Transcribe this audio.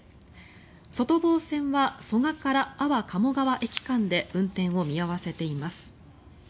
外房線は蘇我から安房鴨川駅間で運転を見合わせています。